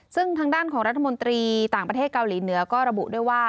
ซึ่งทางด้านของรัฐมนตรีต่างประเทศเกาหลีเหนือก็ระบุด้วยว่า